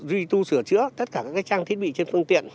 duy tu sửa chữa tất cả các trang thiết bị trên phương tiện